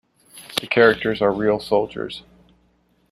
The characters are real soldiers.